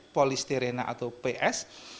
polistirena atau ps